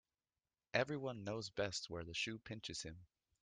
Every one knows best where the shoe pinches him.